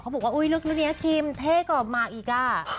เขาบอกว่าลูกลืมนี้ที่ธรรมดาทีเทกกว่ามาร์กอีก